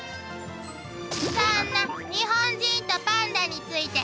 「そんな日本人とパンダについて」